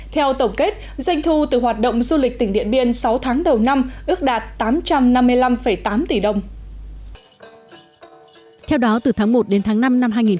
theo tổng kết doanh thu từ hoạt động du lịch tỉnh điện biên sáu tháng đầu năm ước đạt tám trăm năm mươi năm tám tỷ đồng